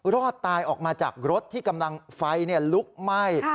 รอดตายออกมาจากรถที่กำลังไฟลุกไหม้